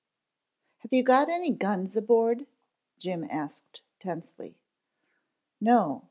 "Have you got any guns aboard?" Jim asked tensely. "No.